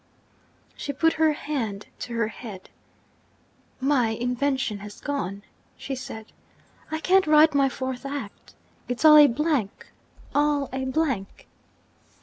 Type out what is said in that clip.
She put her hand to her head. 'My invention has gone,' she said. 'I can't write my fourth act. It's all a blank all a blank!'